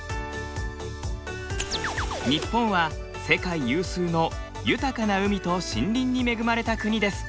日本は世界有数の豊かな海と森林に恵まれた国です。